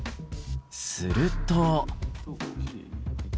すると。